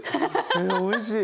えおいしい。